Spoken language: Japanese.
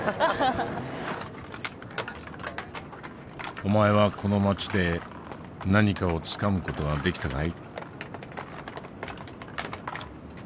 「お前はこの街で何かをつかむ事ができたかい？」。